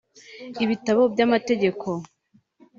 ibitabo by’amategeko